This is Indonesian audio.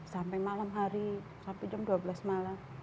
sampai malam hari sampai jam dua belas malam